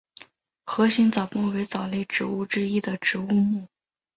盒形藻目为藻类植物之一植物目。